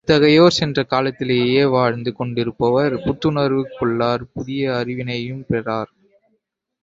இத்தகையோர் சென்ற காலத்திலேயே வாழ்ந்து கொண்டிருப்பர் புத்துணர்வு கொள்ளார் புதிய அறிவினையும் பெறார்.